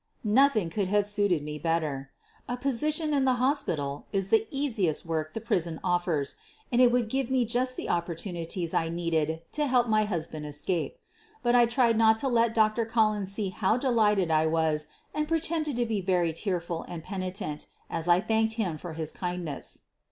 Nothing could have suited me better. A position in the hospital is the easiest work the prison offers, and it would give me just the opportunities I needed to help my husband escape. But I tried not to let Dr. Collins see how delighted I was and pretended to be very tearful and penitent as I thanked him for his kindness.